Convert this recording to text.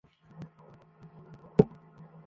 আগে কখনও ফাইট করত না সে।